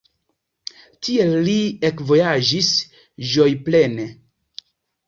Tiel li ekvojaĝis ĝojplene.